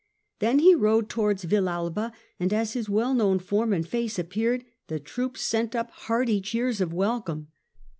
Then he rode up towards Vilalba, and as his well known form and face appeared the troops sent up hearty cheers of welcome.